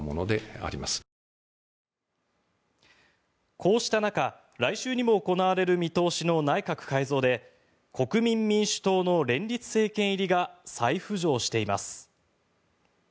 こうした中来週にも行われる見通しの内閣改造で国民民主党の連立政権入りが再浮上しています。